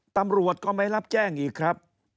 ตำรวจก็ไม่รับแจ้งอีกครับ